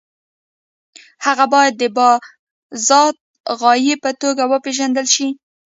هغه باید د بالذات غایې په توګه وپېژندل شي.